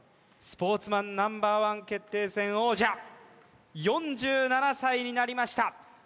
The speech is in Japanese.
スポーツマンＮｏ．１決定戦王者４７歳になりました